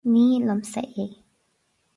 ní liomsa é